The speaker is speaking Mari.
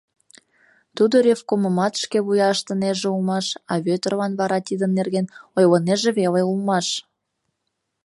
Тудо ревкомымат шкевуя ыштынеже улмаш, а Вӧдырлан вара тидын нерген ойлынеже веле улмаш.